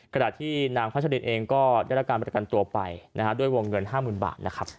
ขณะที่นางพัชรินเองก็ได้รับการประกันตัวไปนะฮะด้วยวงเงิน๕๐๐๐บาทนะครับ